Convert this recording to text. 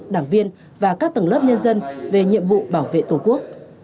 đảng viên và các tầng lớp nhân dân về nhiệm vụ bảo vệ tổ quốc